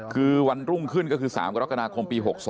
คือวันรุ่งขึ้นก็คือ๓กรกฎาคมปี๖๒